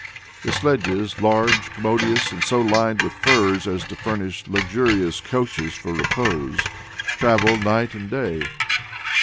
The sledges, large, commodious and so lined with furs as to furnish luxurious couches for repose, traveled night and day.